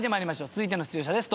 続いての出場者です。